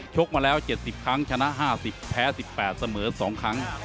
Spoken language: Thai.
กมาแล้ว๗๐ครั้งชนะ๕๐แพ้๑๘เสมอ๒ครั้ง